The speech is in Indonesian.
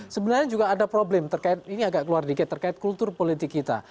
sebenarnya juga ada problem terkait ini agak keluar dikit terkait kultur politik kita